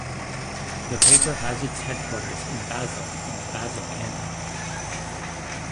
The paper has its headquarters in Basel and the Basel canton.